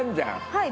はい。